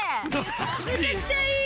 めちゃくちゃいい！